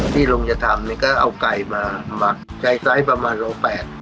ที่ลุงจะทำเนี่ยก็เอาไก่มาหมักใช้ไซส์ประมาณโลแปด